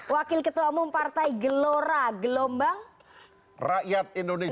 wakil ketua umum partai gelora gelombang rakyat indonesia